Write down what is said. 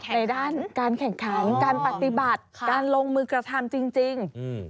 ในด้านการแข่งขันการปฏิบัติการลงมือกระทำจริง